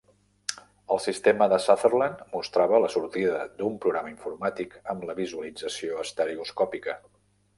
El sistema de Sutherland mostrava la sortida d'un programa informàtic amb la visualització estereoscòpica.